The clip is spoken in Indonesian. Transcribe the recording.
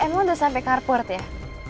emang udah sampe carport ya